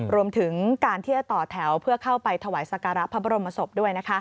รวมถึงการที่จะต่อแถวเพื่อเข้าไปถวายสการะพระบรมศพด้วย